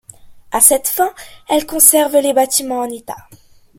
À cette fin, elles conservent les bâtiments en état.